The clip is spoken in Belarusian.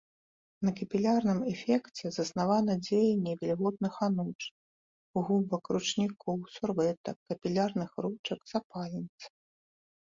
На капілярным эфекце заснавана дзеянне вільготных ануч, губак, ручнікоў, сурвэтак, капілярных ручак, запальніц.